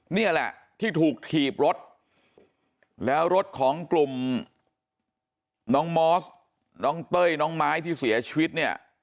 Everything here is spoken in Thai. นี่แหละที่ถูกถีบรถแล้วรถของกลุ่มน้องมอสน้องเต้ยน้องไม้ที่เสียชีวิตเนี่ย